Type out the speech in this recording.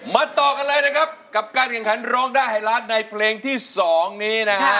ต่อกันเลยนะครับกับการแข่งขันร้องได้ให้ล้านในเพลงที่๒นี้นะฮะ